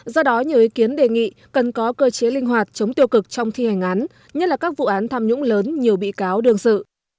do đó nhiều ý kiến đề nghị cần có cơ chế linh hoạt chống tiêu cực trong thi hành án nhất là các vụ án tham nhũng lớn nhiều bị cáo đương sự